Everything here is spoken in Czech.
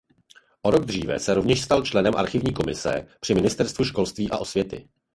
O rok dříve se rovněž stal členem archivní komise při Ministerstvu školství a osvěty.